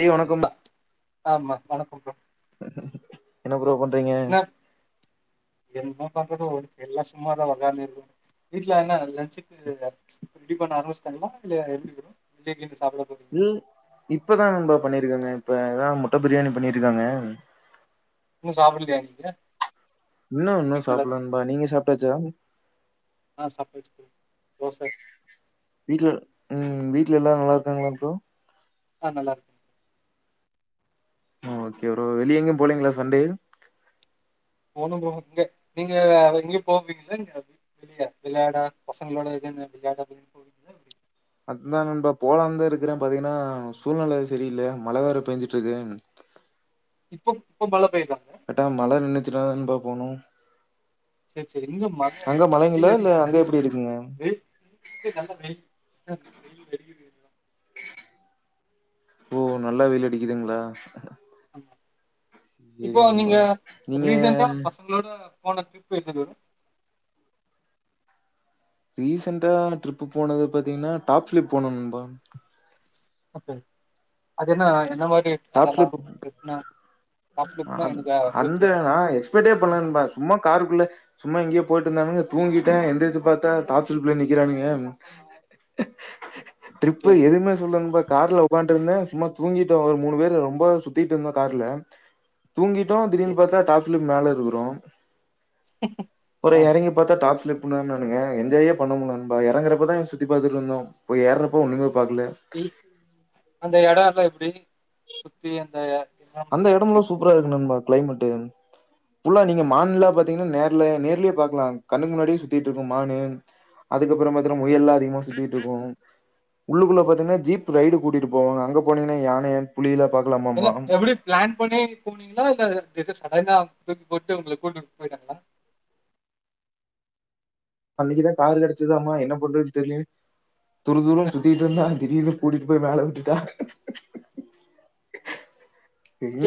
றி வணக்கம் ஆமா வணக்கம் ப்ரோ என்ன ப்ரோ பண் றிங்க என்ன என்ன பண்றது ஓ எல்லா சும்மாதா ஒக்காந்துருக்கோ வீட்ல என்ன லன்ச்சுக்கு ரெடி பண்ண ஆரம்மிச்சுட்டாங்களா இல்ல எப்டி ப்ரோ வெளிய எங்யது மீ இப்பதாநண்பா பண்ணிருக்காங்க இப்ப த முட்ட பிரியாணி பண்ணிருக்காங்க இன்னு சாப்பில்லயா நீங்க இன்னு இன்னு இதுக்கு மேலதா சாப்புல்ல நண்பா நீங்க சாப்டாச்சா? ஆ சாப்டாச்சு ப்ரோ தோச வீட்ல ம் வீட்ல எல்லா நல்லாருக்காங்ளா ப்ரோ? ஆ நல்லாருக்காங்க ஆ ஓகே ப்ரோ வெளிய எங்யு போலிங்களா சண்டே போனு போனு இங்க நீங்க எங்யு போவீங்கள்ல நீங்க வெளிய விள்யாட பசங்களோட இதென்ன விள்யாட அப்டின் போவீங்கள்ல அப்டி அதுதா நண்பா போலாம்ந்தா இருக்குறே பாத்தீங்கனா சூழ்நலை சரியில்ல மழ வேற பேஞ்சுட்ருக்கு இப்பொ இப்போ மழ பெய்தா கட்டா மழ நின்னுச்சுனாதா நண்பா போனு சேர் சேரி இங்க மழ இங்க வெயில் இல்ல அடிக்குது அங்க எப்டி இருக்குங்க வெயில் இங்க நல்ல வெயில் என்ன வெயில் அடிகிது ஓ நல்லா வெயில் அடிக்குதுங்ளா ஆ இப்போ நண்பா நீங்க நீங்க ரீசண்டா பசங்களோட போன ட்ரிப் எது வரு ரீசென்டா ட்ரிப் போனது பாத்தீங்கன்னா டாப் லிப் போனோம் ப்ரோ அப்போ அது என்ன என்ன மாரி அதெல்லாம் டாப்சிளிப் ட்ரிப்னா டாப் ட்ரிப்னா எனக்கு எதுவும் அந்த தெரியாது. அ எக்ஸ்பெட்ஏ பண்ணல நண்பா சும்மா காருக்குள்ள சும்மா இங்கயே போயிட்டு இருந்தானுங்க தூங்கிட்டே எந்துருச்சு பார்த்தா டாப் சிளிப் நிக்கிறானுங்க ஓகே, ட்ரிப்பு எதுவுமே சொல்லல நண்பா கார்ல உட்காண்ட்டு இருந்தேன் சும்மா தூங்கி ஒரு மூணு பேர் ரொம்ப சுத்திட்டு இருந்தோம் கார்ல தூங்கிட்டோம் ஓகே. திடீர்னு பாத்தா டாப்சிளிப் மேல தூரம் ஆ அப்பறோம் இறங்கி பாத்தா டாப்ஸ்லிப் ன்னங்க என்ஜாயே பண்ண முள்ள இறங்கறப்பதா சுத்தி பாத்துட்டுஇருந்தோம் போய் எறப்ப ஒண்ணுமே பகல இ அந்த இடம் எல்லாம் எப்படி சுத்தி அந்த அந்த என்விரான்மென்ட்லாம் இடம் எப்படி எல்லாம் சூப்பரா இருந்துச்சு? இருக்கு நண்பா கிளைமேட் புள்ளா இல்ல நீங்க மான் எல்லாம் ஓகே, பாத்தீங்கன்னா நே நேர்லயே பாக்கலாம் கண்ணுக்கு முன்னாடியே சுத்திட்டு இருக்கும் மானு அதுக்கப்புறம் பாத்தீங்கனா ஓகே. முயல்லாம் அதிகமா சுத்தி போகும் உள்ளுக்குள்ள சரி. பாத்திங்கன்னா ஜீப் ரைடு கூட்டிட்டு போவாங்க அங்க போனிங்கன்னா யானைய புலியிலாம் இல்ல பார்கக்கலாமாமமா எப்படி பிளான் பண்ணி போனீங்களா இல்ல சடனா ட்ரிப் போட்டு உங்கள கூட்டிட்டு போயிட்டாங்களா அன்னைக்குதான் காரு கிடைச்சதமா என்ன பண்றதுன்னு தெரியலேயென்னு துரு துருனு சுத்திட்டு இருந்தா திடீர்னு கூட்டிட்டு போய் மேல விட்டுட்டா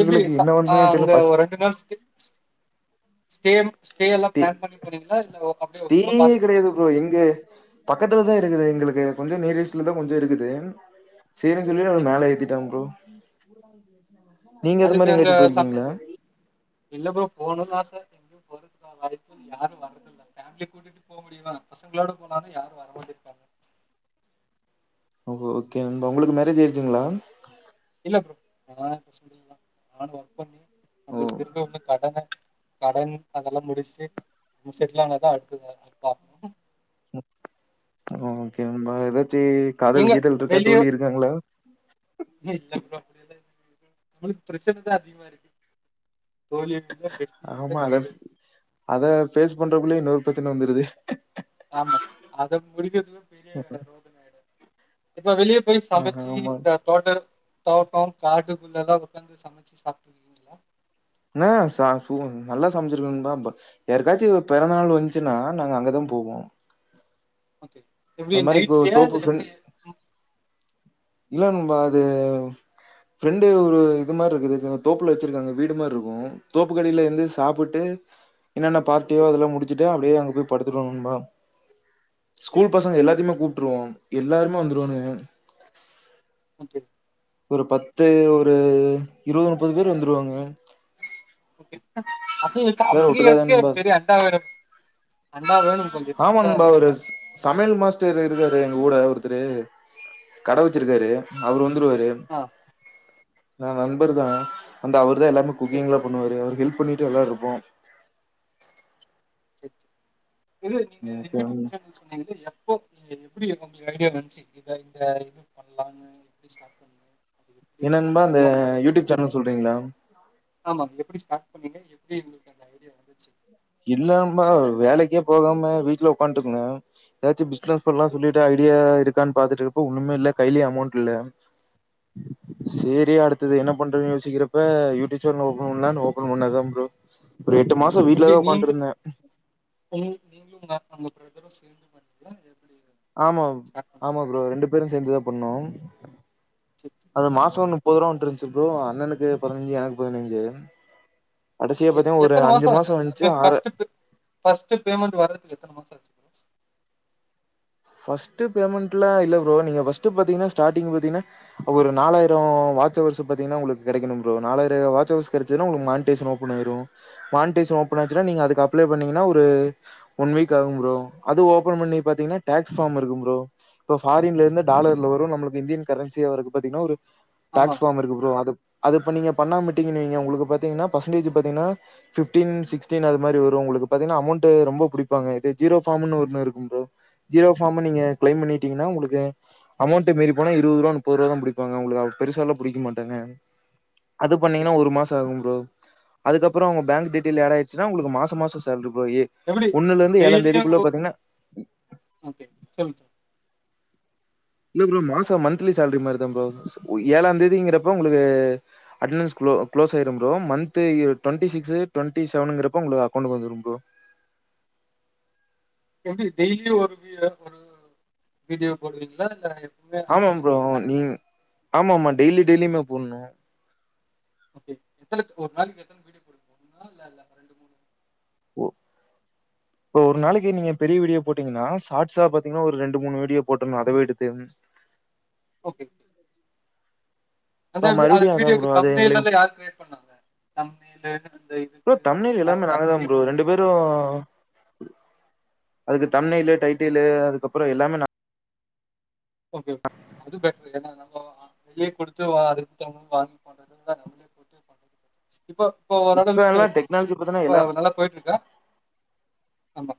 எப்படி என்ன பண்றதுனே ஆஹ் தெரியல அங்க ஒரு ரெண்டு நாள் ஸ்டே ஸ்டே ஸ்டே எல்லாம் பிளான் பண்ணி போனீங்களா? இல்ல அப்படியே ஸ்டே சும்மா பார்த்துட்டு கெடையாது உடனே ப்ரோ எங்க வந்துட்டீங்களா? பக்கத்துலதான் இருக்குது எங்களுக்கு கொஞ்சம் லேடீஸ் ல தான் கொஞ்சம் இருக்குது செரின்னனு சொல்லி ஒரு சரி, மேலே சரி. ஏத்திட்டாங்க ப்ரோ [unintelligible] அது அதுக்கு மாரி அங்க எங்கயாச்சு சப் போயிருக்கீங்களா இல்ல ப்ரோ போனும் தான் சார் எங்யும் போறதுக்கான வாய்ப்பு யாரு வர்றதில்ல ஃபேம்லிய கூட்டிட்டு போ முடியுமா பசங்களோட போனாதா யாரு வர மாட்டிக்றாங்க ஓ ஓகே நண்பா உங்களுக்கு மேரேஜ் ஆயிருச்சுங்ளா? இல்ல ப்ரோ நா இப்ப சிங்கிள் தா நானு ஒர்க் பண்ணி ஓ நம்பள்க்கு இருக்க ஒன்னு கடன கடன் அதல்லா முடிச்ட்டு நம்ம செட்லானாதா அடுத்து எதாச்சு பாக்கணு ஒ ஓகே நண்பா எதா ச்சி காதல் எங்க கீதல்ருக்கா வெளிய தோழி இருக்காங்களா? [inaudible] இல்ல ப்ரோ அப்டியல்லா [inaudible] நம்மளுக் பிரச்சனதா அதிகமா இருக்கு தோழி இல்ல பெஸ்டி இல்ல ஆமால யாரு இல்ல அத ஃபேஸ் பண்றக்குள்ள இன்னொரு பிர ச்சன வந்துருது ஆமா அத முடிக்கிறதுவ பெரிய ரோதன ஆயிடு இப்ப வெளிய போய் ஆ சமச்சி ஆமா இந்த தோட்ட தோட்டம் காட்டுக்குள்லெல்லா ஒக்காந்து சமச்சு சாப்ட்ருகீங்ளா? ஆ ச சு நல்லா சமச்சுருக்கொ நண்பா ப யாருக்காச்சு பெறந்த நாள் வன்ச்சுன்னா நாங்க அங்கதா போவோம் ஓகே எப்டி அன்மாரி கோ நைட்லயா இல்ல தோப்பு ஃப்ரெண் எப்டி? ம் இல்ல நண்பா அது ஃப்ரெண்டு ஒரு இது மாரிருக்குதச்சாங்க தோப்புல வச்சிருக்காங்க வீடு மார்ருக்கு தோப்புக்கடியில இருந்து சாப்புட்டு என்னன்ன பார்டியோ சரி அதுலா முடுச்சுட் ட்டு அப்டியே அங்க போய் படுத்துருவோ நண்பா சரி ஸ்கூல் பசங்க எல்லாத்தைமே கூப்ட்ருவோ எல்லாருமே வந்துருவானுக ஓகே ஒரு பத்து ஒரு இருவது முப்பது பேர் வந்துருவாங்க ஓகே அசைவ எல்லாரு ஒட்டுக்காதா சமக்கிறதுக்கே நண்பா ஒர் பெரிய அண்டா வேணு ஆமா நண்பா ஒரு சமையல் மாஸ்டர் இருக்காரு எங்க கூட ஒருத்தரு கட சரி வச்சுருக்காரு சரி. அவரு வந்துருவாரு ஆ நா நண்பர் தா வந்து அவ ருதா எல்லாமே சரி குக்கிங்லா பண்ணுவாரு அவர் ஹெல் ப் பண்ணிட்டு எல்லாருப்போ செர் செ இல்ல நீங்க யூடியூப் சேனல் சொன்னீங்லே எப்போ [unintelligible] எப்புடி ஒங்களுக்கு ஐடியா வன்ச்சி இத இந்த இது பண்லான்னு எப்டி ஸ்டார்ட் பண்ணீங்க அது எப்டி என்ன நண்பா அந்த எல்லா நடந்துச்சு? யூடியூப் சேனல் சொல்றீங்ளா? ஆமா எப்டி ஸ்டார்ட் பண்ணீங்க எப்டி உங்ளுக்கு அந்த ஐடியா வந்துச்சு? இல்ல நண்பா வேலைக்கே போகாம வீட்ல உக்கான்ட்ருந்தே எதாச்சு பிஸ் னஸ் பண்லா சொல்லிட்டு ஐடியா இ ருக்கான்னு பாத்துட்டு இருக்கப்ப ஒண்ணுமே இல்ல கையிலயே அமௌன்ட் இல்ல சேரி அடுத் டுத்தது என்ன பண்றது யோசிக்கிறப்ப யூடுப் சேனல் ஓபன் பண்ணலானு ஓபன் பண்ணாதா ப்ரோ ஒரு எட்டு மாச வீட்லதா நீங்க உ நீங்களு அங்க ப்ரதரு சேந்து பண்ணிங்கலா ஆமா ஆமா ப்ரோ ரெண்டு பேரு சேந்துதா பண்ணோ சேரி அத மாசோனு போரோ வந்துருச்சு ப்ரோ அண்ணனுக்கு பதினஞ்சு எனக்கு பதினஞ்சு கடைசியா பாத்தீங்கன்னா ஒரு எத்தன மாச அஞ்சு ஆச்சு மாசம் வந்துச்சு ஆறு ஃபஸ்ட் பே ஃபஸ்ட் பேமெண்ட் வர்துக்கு எத்தன மாச ஆச்சு [inaudible] ஃபஸ்ட் பேமெண்ட்ல இல்ல ப்ரோ நீங்க ஃபஸ்ட் பாத்தீங்கன்னா ஸ்டார்ட் பாத்தீங்கன்னா ஒரு நாலாயிர வாட்ச வர்ஸ் பாத்தீங்கன்னா உங்களுக்கு கெடக்கனு ப்ரோ நாயிர வாட்ச ஹவர்ஸ் கெடச்சதுனா உங்களுக்கு மான்டீசன் ஓபன் ஆய்ரு மான்டீஷன் ஓபன் ஆச்சுனா நீங்க அதுக்கு அப்லே பண்ணீங்கன்னா ஒரு ஒன் வீக் ஆகோ ப்ரோ அது ஓபன் பண்ணி பாத்தீங்கன்னா டேஸ்ஃபார்ம் இருக்கு ப்ரோ இப்ப ஃபாரின்ல இருந்து டாலர்ல வரு நம்மளுக்கு இந்தியன் கரன்சியா வர்றக்கு பாத்தீங்கன்னா ஒரு ஆமா டாக்ஸ் ஃபாம் இருக்கு ப்ரோ அது அது பண்ணீங்க பண்ணா விட்டிங்கவைங்க உங்களுகு பாத்தீங்கன்னா பர்சன்டேஜ் பாத்தீங்கா ஃபிப்டீன் சிக்ஸ்டீன் அது மாதிரி வரு உங்களுக்கு பாத்தீங்கன்னா அமௌன்ட் ரொம்ப புடிப்பாங்க இது ஜீரோ ஃபார்ம்னு ஒன்னு இருக்கு ப்ரோ ஜீரோ ஃபாம் நீங்க கிளைம் பண்ணிட்டீங்கன்னா உங்களுக்கு அமௌண்ட் மீறி போனா இருது ரூபா முப்பது ரூபா தா புடிப்பாங்க உங்களுக்கு பெருசால எல்லா புடிக்க மாட்டாங்க அது சேரி பண்ணீங்கன்னா சேரி ஒரு மாச ஆகு ப்ரோ அதுக்கப்பற உங்க பேங்க் டிடேயல் ஏடாயிருச்சுனா உங்களுக்கு மாச மாசம் சேல்ரி கோஎட் எப்டி ஒண்ணுலருந்து டெய்லியு ஏழாந்தேதிக்குள்ள பாத்தீங்ன்னா ஓகே சொல்லுங் சொல் இல்ல ப்ரோ மாச மந்த்லி சேல்ரி மாரி தா ப்ரோ ஏழாந்தேதிங்கறப்ப உங்களுக்கு அட்னன்ஸ் க்ளோ க்ளோஸ் ஆயிரு bro month twenty six twenty செவனுங்கறப்ப உங்களுக்கு அக்கொன்ட்கு வந்துரு ப்ரோ எப்டி டெய்லியு ஒரு ஒரு வீடியோ போட்ரீங்களா இல்ல எப்பவுமே அதுக்கு ஆமாாம் ப்ரோ எதனா பிளான் நீ பண்ணி ஆமாமா டெய்லி டெய்லி மே போண்ணு ஓகே எத்தன ஒரு நாளக்கு எத்தன வீடியோ போடுவிங்க ஒன்னா இல்ல ரெண்டு மூணு ஓ இப்ப ஒரு நாளக்கு நீங்க பெரிய வீடியோ போட்டீங்கன்னா சாட்ஸா பாத்தீங்கன்னா ஒரு ரெண்டு மூணு வீடியோ போட்றணு அதவே எடுத்து ஓகே அந்த இப்ப அந்த மறுபடியு அதா வீடியோக்கு ப்ரோ அது தமிழு எங்களுக்கு எல்லா யாரு க்ரியேட் பண்ணாங்க தமிழு அந்த ப்ரோ இதுக்கு தம்ப்நெயில் அததுல்லா எல்லாமே யா நாங்க தா நீங்க ப்ரோ பா ரெண்டு பேரு அதுக்கு தண்ணிலு டைட்டீலு அதுக்குப் அப்றோ எல்லாமே நா ஓகே ஓகே அது பெட்டரு ஏனா நாம வெளியே குடுத்து அடுத்துவங்க வாங்கி பண்றத விட நம்மளே குடுத்து பண்றது எவ்ளோ பெட்டரு இப்ப இப்ப ஓரளவுக்கு எல்லா டெக்னாலஜி பாத்தீன்னா இப்ப எல்லா நல்லா போயிட்ருக்கா ஆமா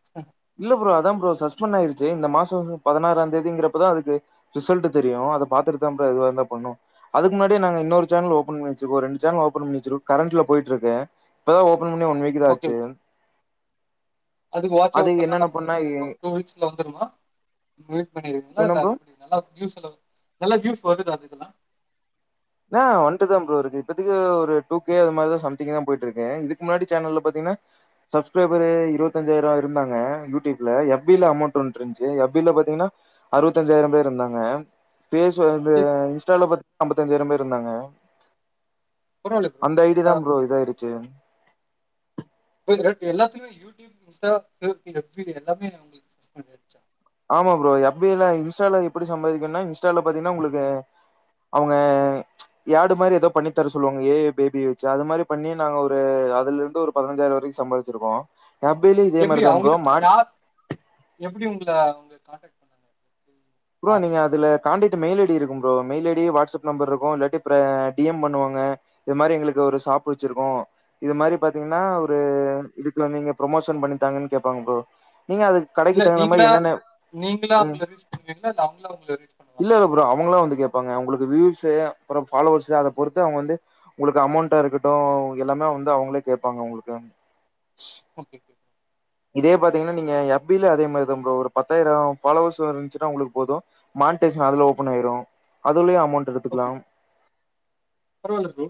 இல்ல ப்ரோ அதா ப்ரோ சஸ்பெண்ட் ஆயிருச்சு இந்த மாசோ வந்து பதனாறாந்தேதிங்கறப்பதா அதுக்கு ரிசல்ட்டு தெரியு. அத பாத்துட்டுதா ப்ரோ எதுவா இருந்தா பண்ணு அதுக்கு முன்னாடியே நாங்க இன்னொரு சேனல் ஓபன் பண்ணி வச்சிருக்கோ ரெண்டு சேனல் ஓபன் பண்ணி வச்சிருக்கோ கரண்ட்ல போயிட்ருக்கே இப்பதா ஓ ப்பன் பண்ணி ஒன் வீக்தா ஓகே, ஆச்சு. ஓகே. அதுக்கு வாட்ச் அது ஹவர்ஸ் எல்லா என்னென்ன இன்னு பண்ணா ஒரு ஆ டூ வீக்ஸ்ல வந்துருமா ரிலீஸ் பண்ணிருவீங்களா என்ன இல்ல ப்ரோ அது எப்டி நல்லா வியூஸ் எல்லா நல்லா வியூஸ் இப்ப வந்துட்டு அதுக்கல்லா ஆ வந்ட்டுதா ப்ரோ இருக்கு இப்பத்தக்கி ஒரு டூ கே அது மாரிதா சம்திங்தா போயிட்ருக்கு இதுக்கு முன்னாடி சேனல்ல பாத்தீங்கன்னா சப்ஸ்கிரைபரு இருபத்தஞ்சாயிரோ இருந்தாங்க யூடியூப்ல எஃப் பி ல அமௌண்ட் வந்ட்டு இருந்துச்சு எஃப் பி ல பாத்தீங்கன்னா அறுவத்தஞ்சாயிரம் பேர் இருந்தாங்க ஃபேஸ் அது சரி, சரி ப்ரோ. இன்ஸ்டால பாத் அம்பத் தஞ்சாயரம் பேர் இருந்தாங்க பரவால்ல ப்ரோ. அந்த ஐ டி நல்லா தா ப்ரோ வருது இதாயிருச்சு இதெல்லாம். ப்ரோக்கு எல்லாத்துலயுமே யூடியூப் இன்ஸ்டா [unintelligible] எஃப் பி எல்லாமே உங்களுக்கு சஸ்பண்ட் ஆயிடுச்சா ஆமா ப்ரோ எஃப் பி ல இன்ஸ்டால எப்பிடி சம்பாதிக்கணுன்னா இன்ஸ்டால பாத்தீங்கன்னா உங்களுக்கு அவங்க யேடு மாரி எதோ பண்ணித் தர சொல்லுவாங்க ஏ ஐ பேபிய வச்சு அது மாரி பண்ணி நாங்க ஒரு அதுல இருந்து ஒரு பதினஞ்சாயிரோ வரைக்கு சம்பாதிச்சிருக்கோ எஃப் பி லயு இதே எப்டி மாரிதா ப்ரோ அவங்கில்ல மாட் யார் எப்டி உங்கள அவங்க கான்டாக்ட் பண்ணாங்க எப்படி? ப்ரோ யாரு? நீங்க அதுல காண்டாக்ட் மெயில் ஐ டி இருக்கும் bro mail I D WhatsApp number இருக்கு இல்லாட்டி ப்ற டி எம் பண்ணுவாங்க இது மாரி எங்களுக்கு ஒரு ஷாப்பு வச்சிருக்கோ இது மாரி பாத்தீங்கன்னா ஒரு இதுக்கு வந்து நீங்க ப்ரொமோஷன் பண்ணித்தாங்கன்னு கேப்பாங்க ப்ரோ நீங்க அதுக்கு கடைக்கு இல்ல தகுந்த நீங்களா மாரி என்னென்ன ம் களா இல்ல அவங்களா உங்கள ரீ்ச் பண்ணுவாங்களா? ந்து கேப்பாங்க உங்களுக்கு வியூவ்ஸு அப்பறோ ஃபாலோவர்ஸு அத பொறுத்து அவங்க வந்து உங்களுக்கு அமௌண்ட்டா இருக்கட்டு எல்லாமே வந்து அவங்களே கேப்பாங்க உங்களுக்காண்டி ஓகே ஓக இதே பாத்தீங்கன்னா நீங்க எஃப் பி ல அதே மாரிதா ப்ரோ ஒரு பத்தாயிரோ ஃபாலோவர்ஸ் இருந்துச்சுனா உங்களுக்கு போது மானிடிஷேன் அதுல ஓபன் ஆயிரு அதுலயு அ அமௌண்ட் ஓகே. எடுத்துக்கலாம் பரவால்ல ப்ரோ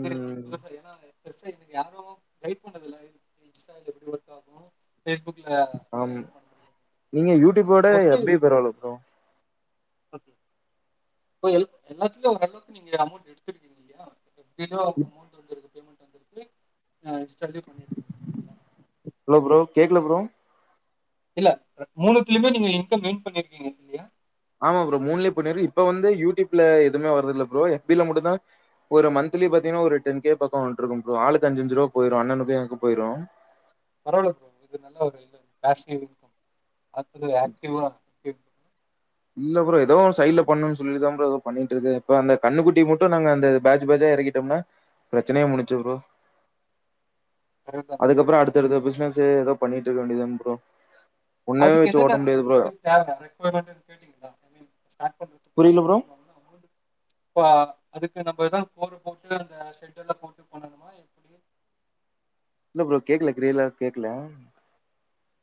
ம் ஏன்னா பெருசா இதுக்கு யாரு கைட் பண்றது இல்ல இது இன்ஸ்டால எப்பிடி ஒர்க் ஆகு ஆம் இங்க யூடியூப விட மோஸ்ட்லி எஃப் பி பரவால்ல ப்ரோ ஓகே இப்போ எல் எல்லாத்துலயு ஓரளவுக்கு நீங்க அமௌண்ட் எடுத்திருக்கீங்க இல்லயா ஓகே எஃப் பி லயு இப் அமௌண்ட் வந்திருக்கு பேமெண்ட் வந்திருக்கு ஆ இன்ஸ்டாலயு பண்ணிருக்கீங்க இல்லயா ஹலோ ப்ரோ கேக்கல ப்ரோ இல்ல அ மூணுத்தலயுமே நீங்க இன்கம் ஏர்ன் பண்ணிருக்கீங்க இல்லயா ஆமா ப்ரோ மூணுலயு இப்ப நெறி இப்ப வந்து யூடியூப்ல எதுமே வர்றதில்ல ப்ரோ எஃப் பி ல மட்டுந்தா ஒரு மன்த்லி பாத்தீங்கன்னா ஒரு டென் கே பக்கோ வந்ட்ருக்கு ப்ரோ ஆளுக்கு அஞ்சு அஞ்சு ரூவா போயிரு அண்ணணுக்கு எனக்கு போயிரு பரவால்ல ப்ரோ இது நல்ல ஒரு இது பேசிவ் இன்கம் அதுல ஆக்டிவா இ இல்ல ப்ரோ எதோ சைடு்ல பண்ணணுன்னு சொல்லிதா ப்ரோ எதோ பண்ணிட்டு இருக்கு இப்ப அந்த கன்னுக்குட்டி மட்டு நாங்க அந்த பேஜ் பேஜா எறக்கிட்டோம்னா பிரச்சனையே முடிஞ்ச்சு ப்ரோ கரெக்ட் தான் அதுக்ப்புறோ அடுத்தடுத்த பிஸ்னஸ் து எதோ பண்ணிட்டு இருக்க வேண்டிதனே ப்ரோ ஒன்னவே அதுக்கு வச்சு ஓட்ட என்னன்ன முடியாது ப்ரோ. இது தேவ ரெர்மெண்ட் கேட்டீங்களா ஸ்டார்ட் பண்றதுக்கு புரியல ப்ரோ பண்ணிடிவாங்க அமௌண்ட் அதுக்கு நம்ம ஏதான கோரு போட்டு அந்த ஷடல்ல போட்டு பண்ணணுமா எப்டி ல்ல ப்ரோ கேக்கல கிரில கேக்கல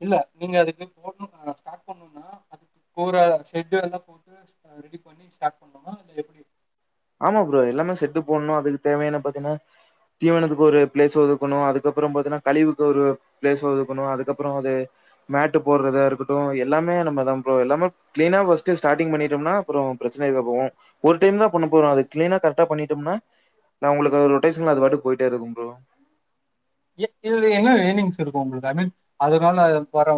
இல்ல நீங்க அதுக்கு போனும்னா ஸ்டார்ட் பண்ணும்னா அதுக்கு போற ஷட்டு எல்லாம் போட்டு ரெடி பண்ணி ஸ்டார்ட் பண்ணும்னா இல்ல எப்டி ன்ன ப்ரோ எல்லாமே செட்டு போடுனு அதுக்கு தேவையானா பாத்தினா தீவனத்துக்கு ஒரு பிளேஸ் ஒதுக்கணு அதுக்கப்றோ பாத்தினா கழிவுக்கு ஒரு பிளேஸ் ஒதுக்கணு அதுக்கப்புறோ அது மேட்டு போடுறதா இருக்கட்டும் எல்லாமே நம்ம தா ப்ரோ எல்லாமே க்ளீனா ஃபஸ்ட் ஸ்டாட்டிங் பண்ணிட்டோம்னா அப்றோ பிரச்சனைக்கபோவு ஒரு டைம் தா பண்ண போறோ அத கிளீனா கரெக்டா பண்ணி எப்நா நா உங்களுக்கு ரொட்டேஷன் அது பாட் போயிட்டே இருக்கு ப்ரோ எ இது என்ன எனிங்ஸ் இருக்கு உங்களுக்கு ஐ மீன் அதனால வர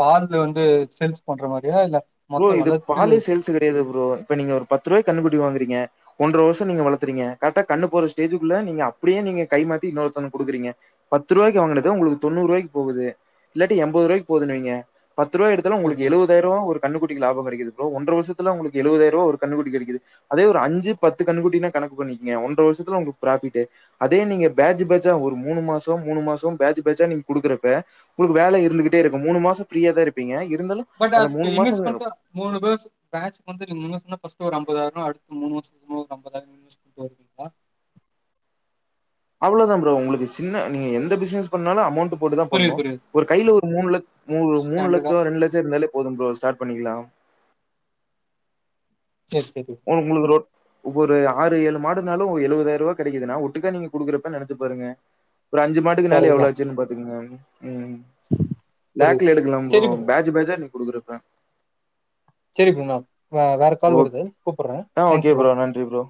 பாரு இதுலவந்து சேல்ஸ் பண்ற மாரி ஏ இல்ல ப்ரோ மொத்தம் இது வளர்த்து பாலே சேல்ஸ் கெடையாது ப்ரோ இப்ப நீங்க ஒரு பத்து ரூவாய்க் கன்னுக்குட்டி வாங்குறீங்க ஒன்றர வருஷோ நீங்க வளத்ரீங்க கரெக்டா கண்ணு போற ஸ்டேஜுக்குள்ள நீங்க அப்டியே நீங்க கைமாத்தி இன்னொருத்தங்ளுக் குடுக்குறீங்க பத்து ருவாய்க்கு வாங்குனது உங்களுக்கு தொண்ணூறு ரூவாய்க்கு போகுது இல்லாட்டி என்பது ரூவாய்கு போகுதுனுவைங்க பத்து ரூவா எடுத்தாலே உங்களுக் ஓகே எழுவதாயிருவா ஒரு கண்ணு குட்டிக்கு லாபோ கெடைக்குது ப்ரோ ஒன்றர வருஷத்துல உங்களுக்கு எழுவதாயிருவா ஒரு கண்ணு குட்டிக்கு கிடைக்குது அதே ஒரு அஞ்சு பத்து கண்ணு குட்டினு கணக்கு பண்ணுகிங்க ஒன்றர வருஷத்துல உங்களுக்கு ப்ராஃபிட்டு அதே நீங்க பேட்ச் பேட்ச்சா ஒரு மூணு மாசோ மூணு மாசோ பேட்ச் பேட்ச்சா நீங்க குடுக்குறப்ப உங்களுக்கு வேல இருந்துகிட்டே இருக்கு மூணு மாசம் ஃப்ரீயா தா இருப்பீங்க இருந்தாலு அத மூணு மாசோ [inaudible] மூணு பேஸ் பேட்ச் வந்து மூணு மாசோனா ஃபஸ்ட் ஒரு அம்பதாயிரோ அடுத்த மூணு மாசோஒரு அம்பதாயிரோ வருங்ளா அவ்ளோதா ப்ரோ உங்களுக்கு சின்ன நீங்க எந்த பிஸ்னஸ் பண்ணாலு அமௌண்ட் போட்டு தா புரியுது, பண்ணு புரியுது. ஒரு கையில ஒரு மூனு லட்ச் மூனு மூனு ஸ்டாண்டர்டா லட்சோ ரெண்டு லட்சோ இருந்தாலே போது ப்ரோ ஸ்டார்ட் பண்ணிக்லாம் சரி, சரி. உங்குளுக் ரோ ஒவ்வொரு ஆறு ஏழு மாடுனாலு எழுவதாயிருவா கெடைக்குதுனா ஒட்டுக்கா நீங்க குடுக்குறப்ப நெனைச்சு பாருங்க ஒரு அஞ்சு மாட்டுக்குனாலு கரெக்ட் எவ்ளோ தான். ஆச்சுனு பாத்துக்ங்க உம் புரியுது. லேக்ல எடுக்கலா சரி ப்ரோ பேஜ் பேஜா குடுக்குறப்ப செரி புணா வேற கால் ஓக் வருது கூப்படுறே ஆ தேங்க்ஸ் ஓகே ப்ரோ நன்றி ப்ரோ.